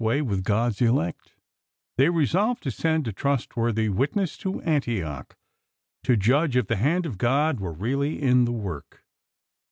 way with God's elect ? They resolved to [ send a trustworthy witness to Antioch, to ; judge if the Hand of God were really in the work.